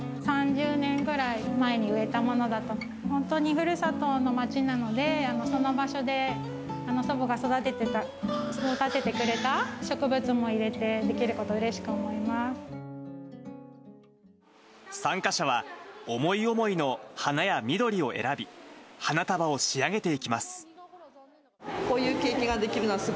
３０年ぐらい前に植えたもので、本当にふるさとの町なので、その場所で祖母が育ててくれた植物も入れてできること、うれしく参加者は、思い思いの花や緑を選び、花束を仕上げていきます。